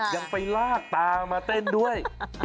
ยังไปลากตามาเต้นด้วย